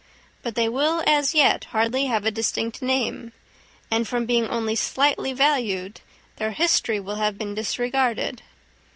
But they will as yet hardly have a distinct name, and from being only slightly valued, their history will have been disregarded.